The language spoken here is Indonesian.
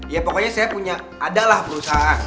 ya pokoknya saya punya adalah perusahaan